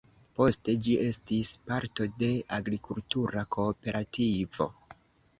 Poste ĝi estis parto de agrikultura kooperativo.